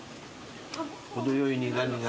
程よい苦味が。